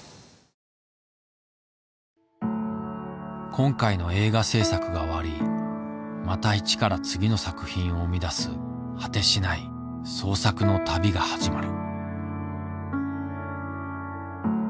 今回の映画製作が終わりまた一から次の作品を生み出す果てしない創作の旅が始まる。